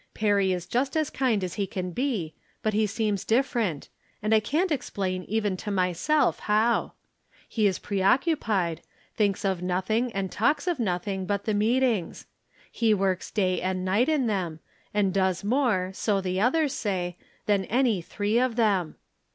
Perry is just as kind as he can be, but he seems different, and I can't explain even to myself how. He is preoccupied ; thinks of nothing and talks of nothing but the meetings ; he works day and night in them, and does more, so the others say, than any three of them.